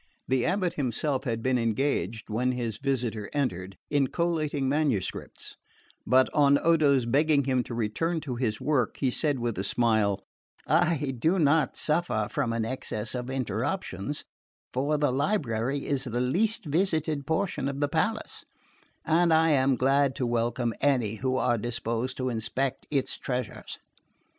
The abate himself had been engaged, when his visitor entered, in collating manuscripts, but on Odo's begging him to return to his work, he said with a smile: "I do not suffer from an excess of interruptions, for the library is the least visited portion of the palace, and I am glad to welcome any who are disposed to inspect its treasures.